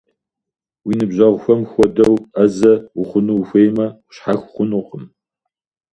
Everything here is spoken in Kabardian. Уи ныбжьэгъухэм хуэдэу Ӏэзэ ухъуну ухуеймэ, ущхьэх хъунукъым.